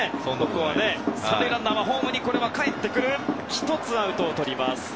１つアウトをとります。